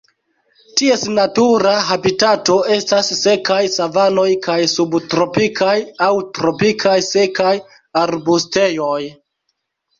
Ties natura habitato estas sekaj savanoj kaj subtropikaj aŭ tropikaj sekaj arbustejoj.